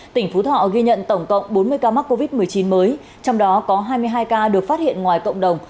tỉnh phú thọ ghi nhận tổng cộng bốn mươi ca mắc covid một mươi chín mới trong đó có hai mươi hai ca được phát hiện ngoài cộng đồng